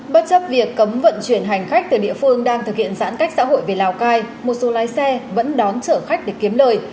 bất chấp việc cấm vận chuyển hành khách từ địa phương đang thực hiện giãn cách xã hội về lào cai một số lái xe vẫn đón chở khách để kiếm lời